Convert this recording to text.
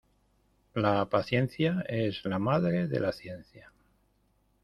La paciencia es la madre de la ciencia.